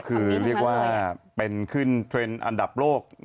คือเรียกว่าเป็นขึ้นเทรนด์อันดับโลก